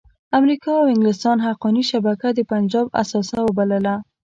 امریکا او انګلستان حقاني شبکه د پنجاب اثاثه وبلله.